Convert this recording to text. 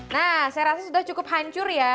nah saya rasa sudah cukup hancur ya